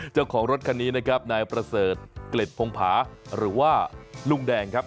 เจ้าของรถคันนี้นะครับนายประเสริฐเกล็ดพงผาหรือว่าลุงแดงครับ